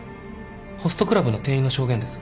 ホストクラブの店員の証言です。